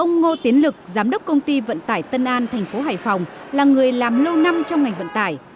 ông ngô tiến lực giám đốc công ty vận tải tân an thành phố hải phòng là người làm lâu năm trong ngành vận tải